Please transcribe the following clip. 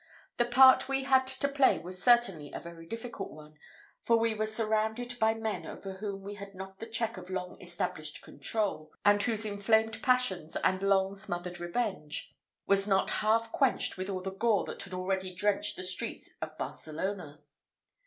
The part we had to play was certainly a very difficult one; for we were surrounded by men over whom we had not the check of long established control, and whose inflamed passions and long smothered revenge was not half quenched with all the gore that had already drenched the streets of Barcelona.